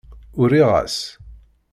Uriɣ-as.